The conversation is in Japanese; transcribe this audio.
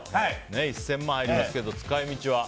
１０００万ありますけど使い道は？